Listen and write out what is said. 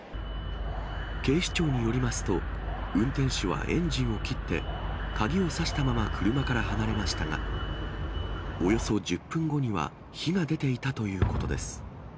警視庁によりますと、運転手はエンジンを切って、鍵を差したまま車から離れましたが、およそ１０分後には火が出ていたということです。